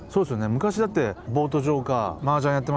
昔だってボート場かマージャンやってましたもんね。